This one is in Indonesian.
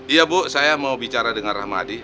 iya bu saya mau bicara dengan rahmadi